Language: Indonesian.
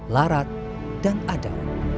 larat dan ada